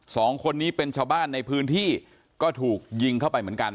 สองคนนี้เป็นชาวบ้านในพื้นที่ก็ถูกยิงเข้าไปเหมือนกัน